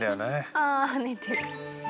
あぁ寝てる。